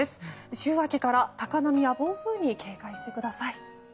週明けから高波や暴風に警戒してください。